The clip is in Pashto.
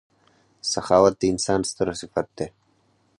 • سخاوت د انسان ستر صفت دی.